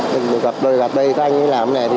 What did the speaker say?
để gặp đời gặp đây các anh ấy làm thế này thì